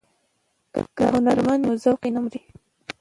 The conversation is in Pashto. که هنرمند وي نو ذوق نه مري.